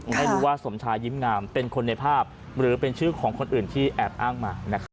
ไม่รู้ว่าสมชายยิ้มงามเป็นคนในภาพหรือเป็นชื่อของคนอื่นที่แอบอ้างมานะครับ